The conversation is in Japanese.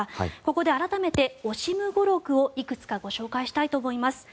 ここで改めてオシム語録をいくつかご紹介したいと思います。